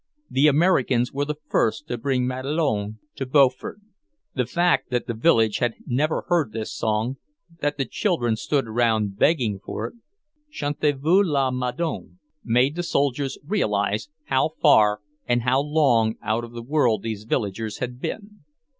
The Americans were the first to bring "Madelon" to Beaufort. The fact that the village had never heard this song, that the children stood round begging for it, "Chantez vous la Madelon!" made the soldiers realize how far and how long out of the world these villagers had been.